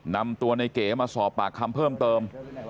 นำตัวในเก๋มาสอบปากคำเพิ่มเติม